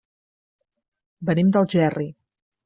Venim d'Algerri.